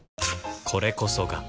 これこそが